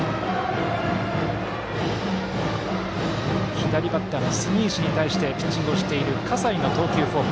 左バッターの住石に対してピッチングをしている葛西の投球フォーム。